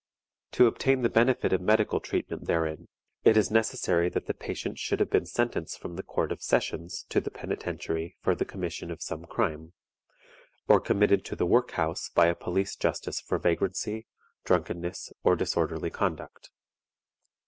To obtain the benefit of medical treatment therein, it is necessary that the patient should have been sentenced from the Court of Sessions to the Penitentiary for the commission of some crime; or committed to the Work house by a police justice for vagrancy, drunkenness, or disorderly conduct.